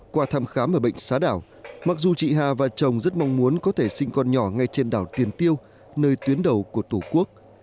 qua thăm khám ở bệnh xá đảo mặc dù chị hà và chồng rất mong muốn có thể sinh con nhỏ ngay trên đảo tiền tiêu nơi tuyến đầu của tổ quốc